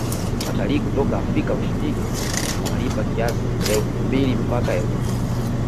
Watalii kutoka africa mashariki wanalipa kiasi elfu mbili mpaka elfu kumi